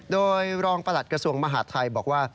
โดยรองประหลัดกระทรวงมหาดไทยบอกว่า